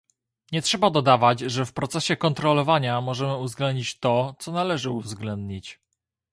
Nie trzeba dodawać, że w procesie kontrolowania możemy uwzględnić to, co należy uwzględnić